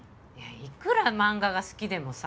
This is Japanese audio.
いくら漫画が好きでもさ。